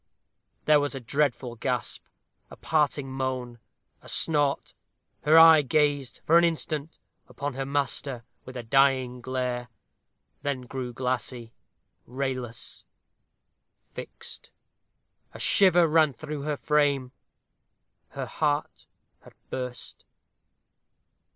There was a dreadful gasp a parting moan a snort; her eye gazed, for an instant, upon her master, with a dying glare; then grew glassy, rayless, fixed. A shiver ran through her frame. Her heart had burst.